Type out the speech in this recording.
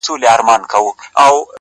• سره او شنه یې وزرونه سره مشوکه,